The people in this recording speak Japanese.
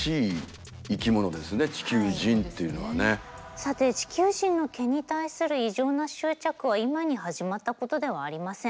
さて地球人の毛に対する異常な執着は今に始まったことではありません。